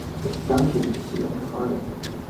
Ich danke Ihnen für Ihre Frage.